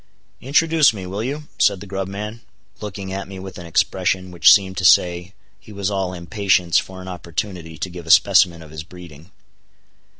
"Introduce me, will you?" said the grub man, looking at me with an expression which seem to say he was all impatience for an opportunity to give a specimen of his breeding.